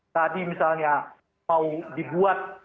tadi misalnya mau dibuat